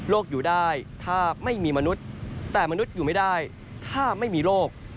อยู่ได้ถ้าไม่มีมนุษย์แต่มนุษย์อยู่ไม่ได้ถ้าไม่มีโรค